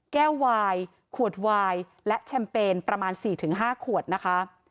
แก้วไวน์ขวดไวน์และแชมเปญประมาณ๔๕ขวดนะคะ